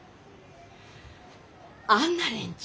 あんな連中！